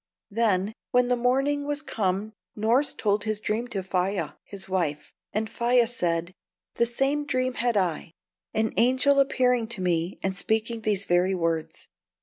Then when the morning was come Norss told his dream to Faia, his wife; and Faia said, "The same dream had I, an angel appearing to me and speaking these very words."